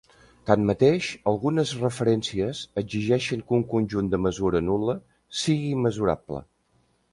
Tanmateix algunes referències exigeixen que un conjunt de mesura nul·la sigui mesurable.